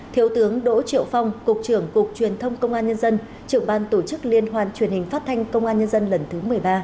thiếu tướng đỗ triệu phong cục trưởng cục truyền thông công an nhân dân trưởng ban tổ chức liên hoan truyền hình phát thanh công an nhân dân lần thứ một mươi ba